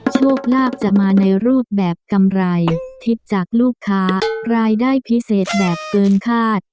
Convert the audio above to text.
โชคลาภจะมาในรูปแบบกำไรทิศจากลูกค้ารายได้พิเศษแบบเกินคาด